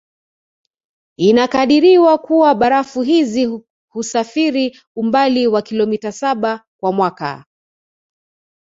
Inakadiriwa kua barafu hizi husafiri umbali wa kilometa saba kwa mwaka